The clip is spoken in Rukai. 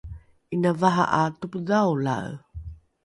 ’ina vaha ’a topodhaolae